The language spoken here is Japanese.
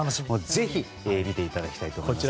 ぜひ、見ていただきたいと思いますね。